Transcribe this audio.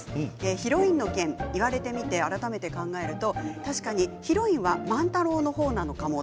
ヒロインの件言われてみて改めて考えると、確かにヒロインは万太郎の方なのかも。